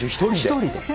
１人で。